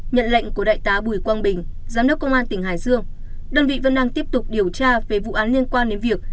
nhận lệnh của đại tá bùi quang bình giám đốc công an tỉnh hải dương đơn vị vẫn đang tiếp tục điều tra về vụ án liên quan đến việc